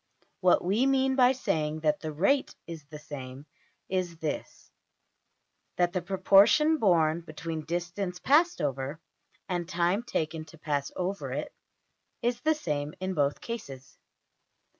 What we mean by saying that the \emph{rate} is the same, is this: that the proportion borne between distance passed over and time taken to pass over it, is the same in both cases.